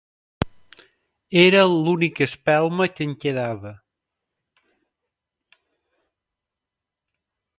Era l'única espelma que em quedava.